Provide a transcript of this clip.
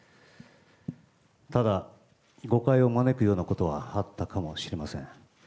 ただ、誤解を招くようなことはあったかもしれません。